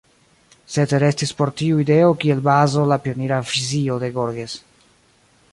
Sed restis por tiu ideo kiel bazo la pionira vizio de Georges.